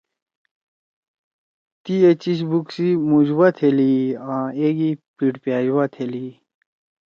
تی اے چیِش بُگ سی مُوشوا تھیلی ئی آں ایگی پیِڑپأش وا تھیلی ئی۔